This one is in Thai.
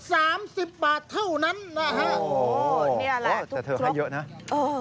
สามสิบบาทเท่านั้นนะฮะโอ้โหนี่แหละแต่เธอให้เยอะนะเออ